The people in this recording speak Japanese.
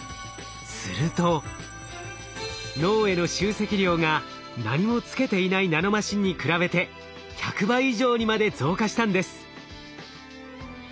すると脳への集積量が何もつけていないナノマシンに比べて１００倍以上にまで増加したんです。